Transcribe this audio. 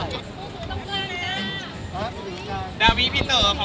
ข้าวนี้ล่ะ